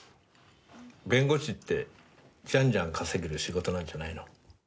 弁護士ってジャンジャン稼げる仕事なんじゃないの？